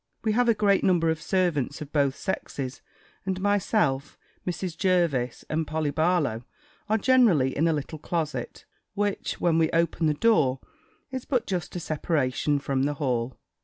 We have a great number of servants of both sexes: and myself, Mrs. Jervis, and Polly Barlow, are generally in a little closet, which, when we open the door, is but just a separation from the hall.